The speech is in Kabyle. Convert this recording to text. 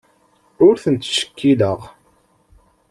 Ur tent-ttcekkileɣ.